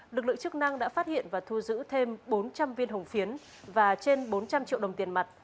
lực lượng chức năng đã phát hiện và thu giữ thêm bốn trăm linh viên hồng phiến và trên bốn trăm linh triệu đồng tiền mặt